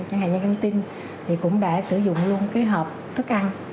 chẳng hạn như căng tin thì cũng đã sử dụng luôn cái hộp thức ăn